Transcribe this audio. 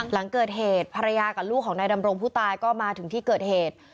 หลังเกิดเหตุภรรยากับลูกของนายดำรงผู้ตายก็มาถึงที่เกิดเหตุ